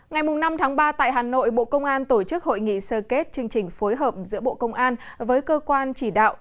ngày năm tháng ba tại hà nội bộ công an tổ chức hội nghị sơ kết chương trình phối hợp giữa bộ công an với cơ quan chỉ đạo